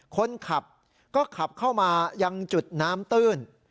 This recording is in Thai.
คนขับก็ขับเข้ามายังจุดน้ำตื้น